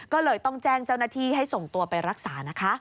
ก็เลยต้องแจ้งเจ้าหน้าที่ให้ส่งตัวไปรักษานะคะ